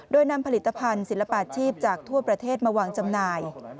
โดยนำผลิตภัณฑ์ศิลปาชีพจากทั่วประเทศมาวางจำหน่าย